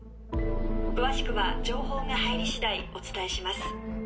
「詳しくは情報が入り次第お伝えします」